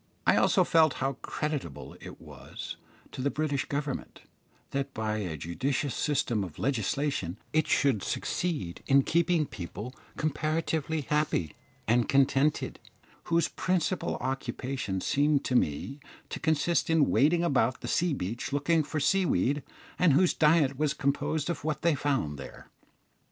I also felt how creditable it was to the British Government, that by a judicious system of legislation it should succeed in keeping people comparatively happy and contented, whose principal occupation seemed to me to consist in wading about the sea beach looking for sea weed, and whose diet was composed of what they found there.